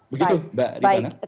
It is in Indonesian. begitu mbak riana